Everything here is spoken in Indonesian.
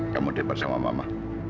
kamu debat sama mama